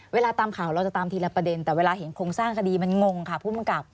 เวลาตามข่าวเราจะตามทีละประเด็นแต่เวลาเห็นโครงสร้างคดีมันงงค่ะผู้กำกับ